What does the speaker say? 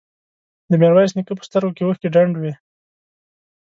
د ميرويس نيکه په سترګو کې اوښکې ډنډ وې.